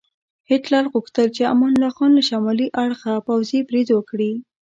هیټلر غوښتل چې امان الله خان له شمالي اړخه پوځي برید وکړي.